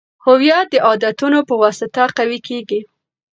هویت د عادتونو په واسطه قوي کیږي.